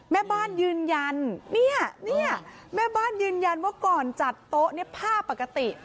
แม่บ้านยืนยันเนี่ยแม่บ้านยืนยันว่าก่อนจัดโต๊ะเนี่ยผ้าปกติ